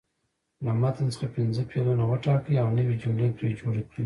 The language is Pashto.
له متن څخه پنځه فعلونه وټاکئ او نوې جملې پرې جوړې کړئ.